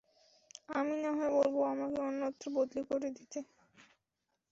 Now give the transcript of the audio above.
আমি না হয় বলবো আমাকে অন্যত্র বদলি করে দিতে।